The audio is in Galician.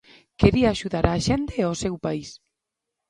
Quería axudar a xente e o seu país.